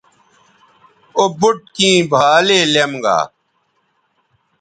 او بُٹ کیں بھالے لیم گا